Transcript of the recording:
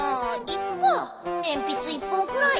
えんぴつ１ぽんくらい。